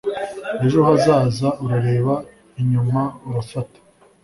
ejo hazaza Urareba inyuma urafata